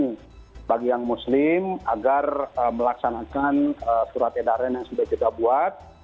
kita juga menghimbau masyarakat islam agar melaksanakan surat edaran yang sudah kita buat